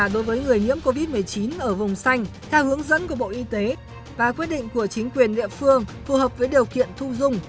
đối với người nhiễm covid một mươi chín ở vùng xanh theo hướng dẫn của bộ y tế và quyết định của chính quyền địa phương phù hợp với điều kiện thu dung